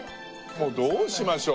もうどうしましょう。